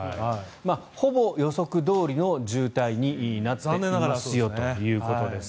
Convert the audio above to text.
ほぼ予測どおりの渋滞になっていますよということです。